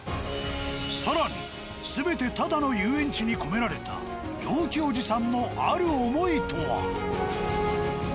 更に全てタダの遊園地に込められた陽気おじさんのある思いとは？